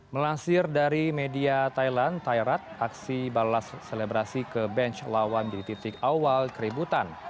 melansir dari media thailand thairat aksi balas selebrasi ke bench lawan menjadi titik awal keributan